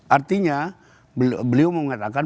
artinya beliau mengatakan